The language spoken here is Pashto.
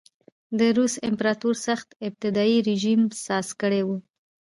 د روس امپراتور سخت استبدادي رژیم ساز کړی و.